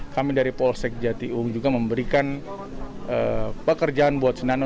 kami dari polsek jatiung juga memberikan pekerjaan buat sinanda